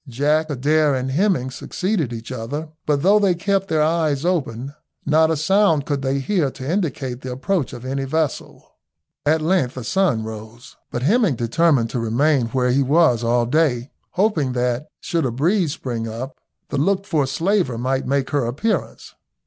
Jack, Adair, and Hemming succeeded each other, but though they kept their ears open not a sound could they hear to indicate the approach of any vessel. At length the sun rose, but Hemming determined to remain where he was all day, hoping that, should a breeze spring up, the looked for slaver might make her appearance.